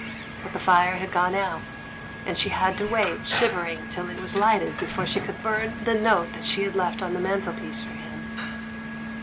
But the fire had gone out, and she had to wait shivering till it was lighted before she could burn the note that she had left on the mantelpiece for him.